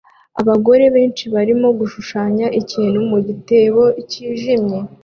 Abagore benshi barimo gushushanya ikintu mu gitebo cyijimye